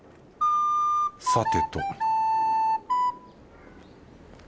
さてと